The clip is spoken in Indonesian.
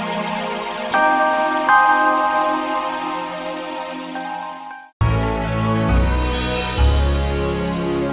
terima kasih bu